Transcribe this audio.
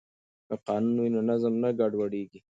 که قانون وي نو نظم نه ګډوډیږي.